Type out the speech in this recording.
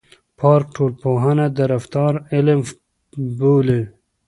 پارک ټولنپوهنه د رفتار علم بولي.